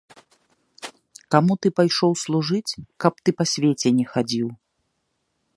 Каму ты пайшоў служыць, каб ты па свеце не хадзіў!